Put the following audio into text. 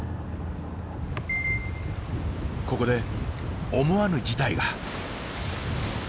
ここで思わぬ事態が。